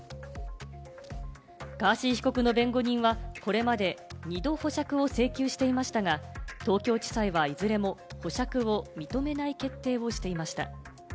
ガーシー被告の弁護人はこれまで２度、保釈を請求していましたが、東京地裁はいずれも保釈を認めない決定をしていました。